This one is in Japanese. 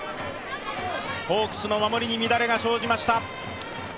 ホークスの守りに乱れが生じました。